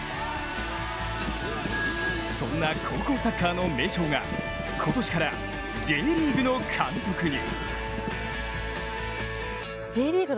そんな高校サッカーの名将が今年からＪリーグの監督に。